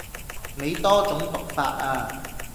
你多種讀法啊